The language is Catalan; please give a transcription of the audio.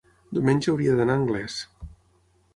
diumenge hauria d'anar a Anglès.